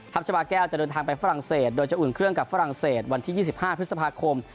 ชาวาแก้วจะเดินทางไปฝรั่งเศสโดยจะอุ่นเครื่องกับฝรั่งเศสวันที่๒๕พฤษภาคม